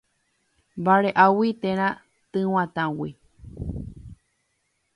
Vareʼágui térã tyguatãgui.